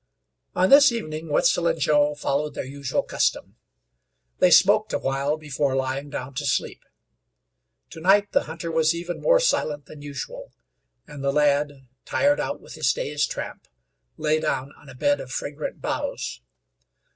On this evening Wetzel and Joe followed their usual custom; they smoked a while before lying down to sleep. Tonight the hunter was even more silent than usual, and the lad, tired out with his day's tramp, lay down on a bed of fragrant boughs.